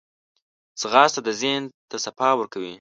ځغاسته د ذهن ته صفا ورکوي